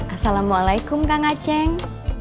assalamualaikum kang aceng